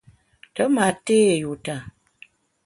Te ma té yuta.